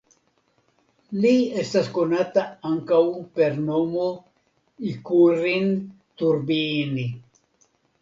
Li estas konata ankaŭ per nomo "Ikurin turbiini".